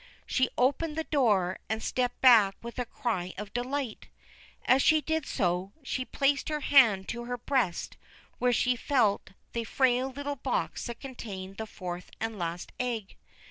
She opened the door, and stepped back with a cry of delight. As she did so, she placed her hand to her breast where she felt the frail little box that contained the fourth and last egg.